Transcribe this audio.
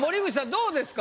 どうですか？